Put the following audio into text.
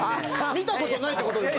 見たことないってことです。